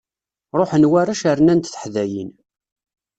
Ṛuḥen warrac rnant teḥdayin.